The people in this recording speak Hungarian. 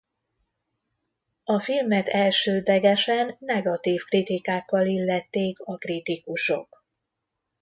A filmet elsődlegesen negatív kritikákkal illették a kritikusok.